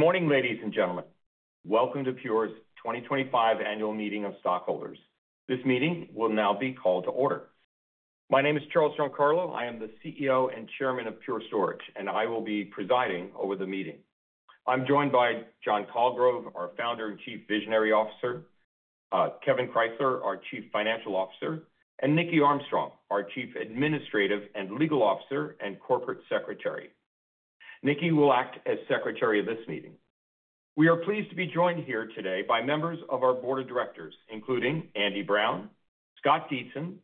Good morning, ladies and gentlemen. Welcome to Pure's 2025 Annual Meeting of Stockholders. This meeting will now be called to order. My name is Charles Giancarlo. I am the CEO and Chairman of Pure Storage, and I will be presiding over the meeting. I'm joined by John Colgrove, our Founder and Chief Visionary Officer; Kevan Krysler, our Chief Financial Officer; and Niki Armstrong, our Chief Administrative and Legal Officer and Corporate Secretary. Niki will act as Secretary of this meeting. We are pleased to be joined here today by members of our Board of Directors, including Andy Brown, Scott Dietzen,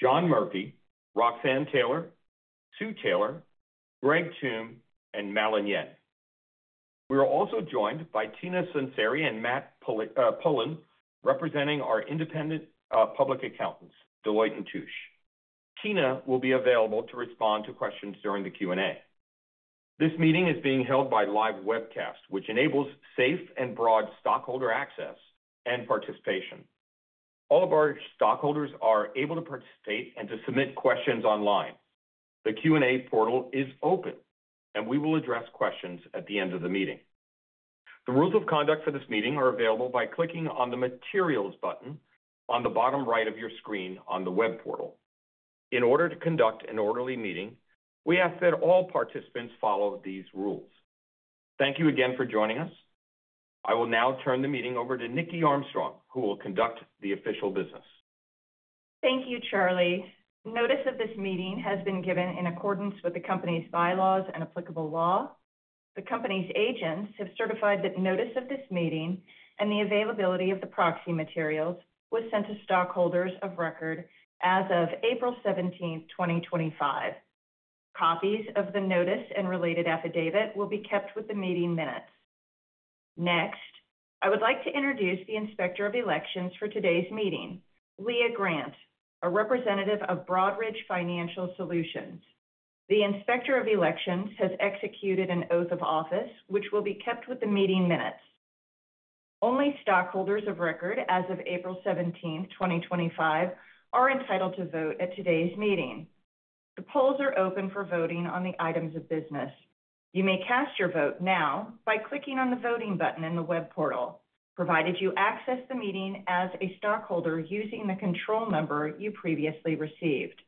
John Murphy, Roxanne Taylor, Sue Taylor, Greg Tomb, and Mallun Yen. We are also joined by Tina Sunseri and Matt Pullen representing our independent public accountants, Deloitte & Touche. Tina will be available to respond to questions during the Q&A. This meeting is being held by live webcast, which enables safe and broad stockholder access and participation. All of our stockholders are able to participate and to submit questions online. The Q&A portal is open, and we will address questions at the end of the meeting. The rules of conduct for this meeting are available by clicking on the Materials button on the bottom right of your screen on the web portal. In order to conduct an orderly meeting, we ask that all participants follow these rules. Thank you again for joining us. I will now turn the meeting over to Niki Armstrong, who will conduct the official business. Thank you, Charlie. Notice of this meeting has been given in accordance with the company's Bylaws and applicable law. The company's agents have certified that notice of this meeting and the availability of the proxy materials was sent to stockholders of record as of April 17th, 2025. Copies of the notice and related affidavit will be kept with the meeting minutes. Next, I would like to introduce the Inspector of Elections for today's meeting, Leah Grant, a representative of Broadridge Financial Solutions. The Inspector of Elections has executed an oath of office, which will be kept with the meeting minutes. Only stockholders of record as of April 17th, 2025, are entitled to vote at today's meeting. The polls are open for voting on the items of business. You may cast your vote now by clicking on the voting button in the web portal, provided you access the meeting as a stockholder using the control number you previously received.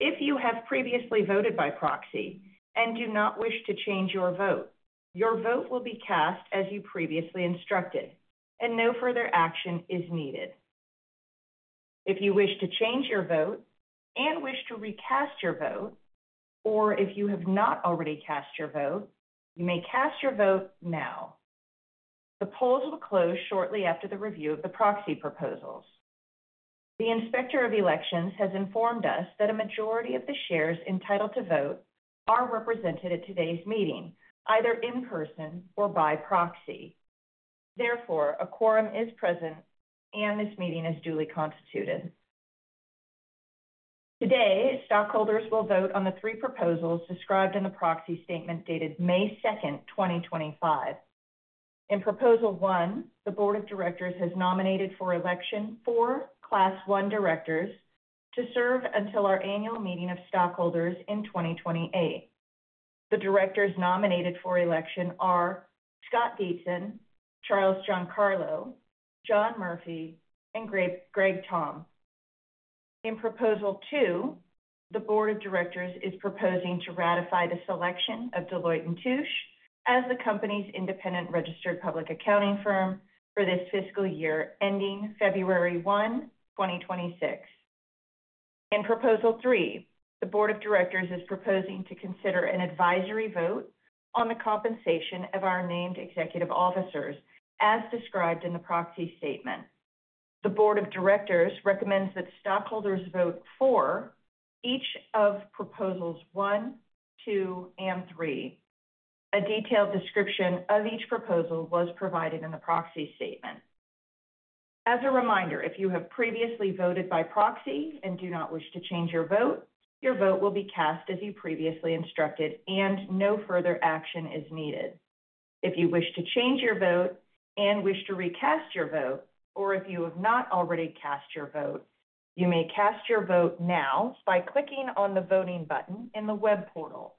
If you have previously voted by proxy and do not wish to change your vote, your vote will be cast as you previously instructed, and no further action is needed. If you wish to change your vote and wish to recast your vote, or if you have not already cast your vote, you may cast your vote now. The polls will close shortly after the review of the proxy proposals. The Inspector of Elections has informed us that a majority of the shares entitled to vote are represented at today's meeting, either in person or by proxy. Therefore, a quorum is present, and this meeting is duly constituted. Today, stockholders will vote on the three proposals described in the proxy statement dated May 2nd, 2025. In Proposal One, the Board of Directors has nominated for election four Class I directors to serve until our annual meeting of stockholders in 2028. The directors nominated for election are Scott Dietzen, Charles Giancarlo, John Murphy, and Greg Tomb. In Proposal Two, the Board of Directors is proposing to ratify the selection of Deloitte & Touche as the company's independent registered public accounting firm for this fiscal year ending February 1, 2026. In Proposal Three, the Board of Directors is proposing to consider an advisory vote on the compensation of our named executive officers as described in the proxy statement. The Board of Directors recommends that stockholders vote for each of Proposals One, Two, and Three. A detailed description of each proposal was provided in the proxy statement. As a reminder, if you have previously voted by proxy and do not wish to change your vote, your vote will be cast as you previously instructed, and no further action is needed. If you wish to change your vote and wish to recast your vote, or if you have not already cast your vote, you may cast your vote now by clicking on the voting button in the web portal,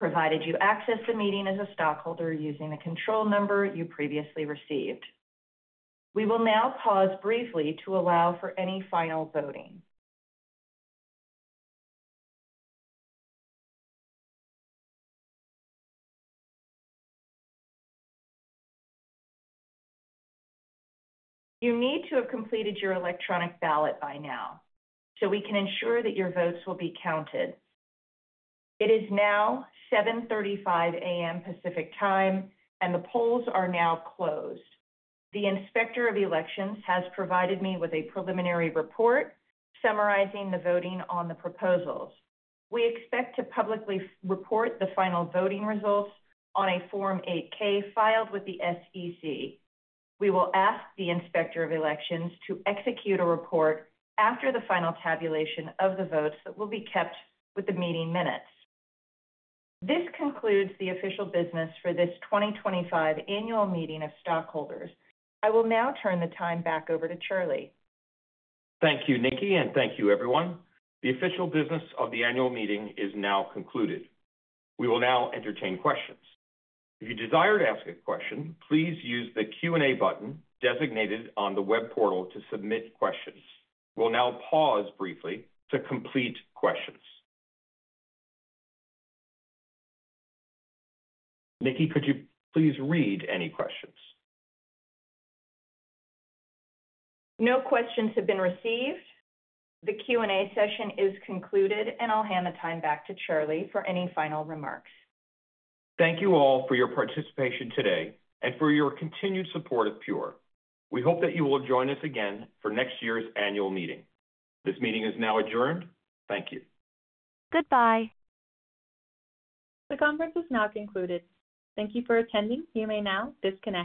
provided you access the meeting as a stockholder using the control number you previously received. We will now pause briefly to allow for any final voting. You need to have completed your electronic ballot by now so we can ensure that your votes will be counted. It is now 7:35 A.M. Pacific time, and the polls are now closed. The Inspector of Elections has provided me with a preliminary report summarizing the voting on the proposals. We expect to publicly report the final voting results on a Form 8-K filed with the SEC. We will ask the Inspector of Elections to execute a report after the final tabulation of the votes that will be kept with the meeting minutes. This concludes the official business for this 2025 Annual Meeting of Stockholders. I will now turn the time back over to Charlie. Thank you, Niki, and thank you, everyone. The official business of the annual meeting is now concluded. We will now entertain questions. If you desire to ask a question, please use the Q&A button designated on the web portal to submit questions. We'll now pause briefly to complete questions. Niki, could you please read any questions? No questions have been received. The Q&A session is concluded, and I'll hand the time back to Charlie for any final remarks. Thank you all for your participation today and for your continued support of Pure. We hope that you will join us again for next year's annual meeting. This meeting is now adjourned. Thank you. Goodbye. The conference is now concluded. Thank you for attending. You may now disconnect.